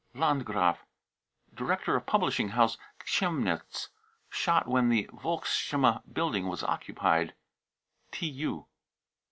landgraf, director of publishing house, Chemnitz, shot when the Volksstimme building was occupied. {TU.)